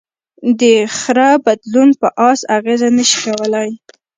د خره بدلون په آس اغېز نهشي کولی.